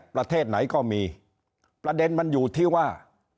ประเทศไหนก็มีประเด็นมันอยู่ที่ว่า